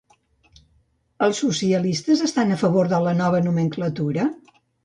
Els socialistes estan a favor de la nova nomenclatura?